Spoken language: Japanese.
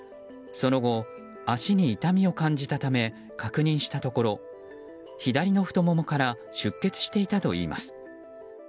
その後、足に痛みを感じたため確認したところ左の太ももから出血していたといいます。